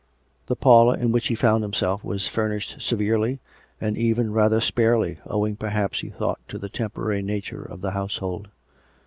The parlour in which he found himself was furnished severely and even rather sparely, owing, perhaps, he thought, to the temporary nature of the household.